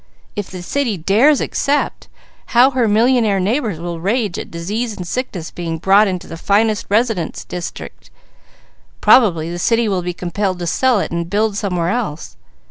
If the city dares accept, how her millionaire neighbours will rage at disease and sickness being brought into the finest residence district! Probably the city will be compelled to sell it and build somewhere else.